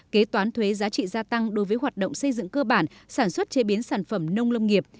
kế toán thuế giá trị gia tăng đối với hoạt động xây dựng cơ bản sản xuất chế biến sản phẩm nông lâm nghiệp